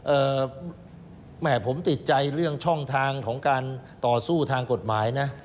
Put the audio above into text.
แหมผมติดใจเรื่องช่องทางของการต่อสู้ทางกฎหมายนะ